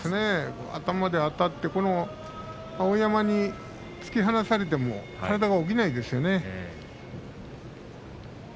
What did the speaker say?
頭であたって碧山に突き放されても体が起きないですよね。